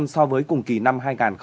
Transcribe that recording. so với cùng kỳ năm hai nghìn một mươi tám